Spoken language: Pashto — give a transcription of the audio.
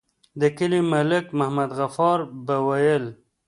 د کلي ملک محمد غفار به ويل.